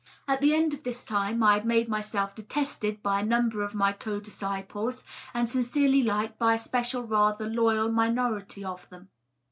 At the end of this time I had made myself detested by a number of my co disciples and sincerely liked by a special rather loyal minority of them.